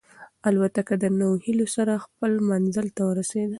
الوتکه له نویو هیلو سره خپل منزل ته ورسېده.